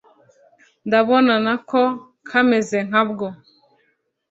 ndabona na ko kameze nka bwo